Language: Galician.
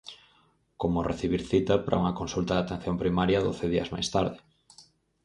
Como recibir cita para unha consulta de atención primaria doce días máis tarde.